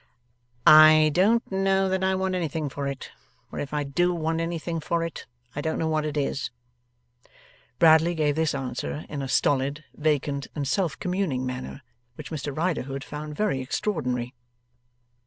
'I don't know that I want anything for it. Or if I do want anything for it, I don't know what it is.' Bradley gave this answer in a stolid, vacant, and self communing manner, which Mr Riderhood found very extraordinary.